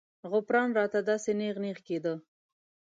غوپران راته داسې نېغ نېغ کېدو.